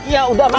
ya udah mak